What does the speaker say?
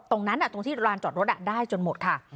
ตรงนั้นตรงที่ร้านจอดรถได้จนหมดค่ะ